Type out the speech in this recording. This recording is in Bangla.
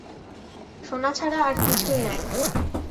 সোনা ছাড়া আর কিছুই নাই।